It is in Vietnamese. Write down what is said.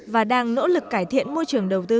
và đang nỗ lực cải thiện môi trường đầu tư